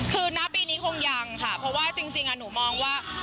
คือณปีนี้คงยังค่ะเพราะว่าจริงหนูมองว่า